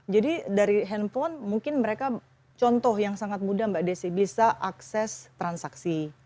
jadi dari handphone mungkin mereka contoh yang sangat mudah mbak desy bisa akses transaksi